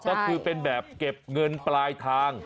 ก็คือเป็นแบบเก็บเงินปลายทาง